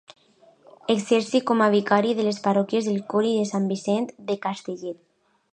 Exercí com a vicari de les parròquies del Coll i de Sant Vicenç de Castellet.